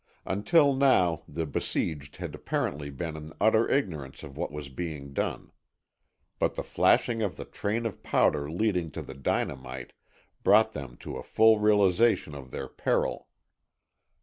Until now the besieged had apparently been in utter ignorance of what was being done. But the flashing of the train of powder leading to the dynamite, brought them to a full realization of their peril.